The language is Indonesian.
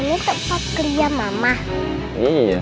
udah pulang dia